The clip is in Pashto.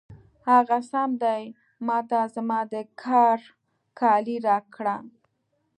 هغه سم دی، ما ته زما د کار کالي راکړه.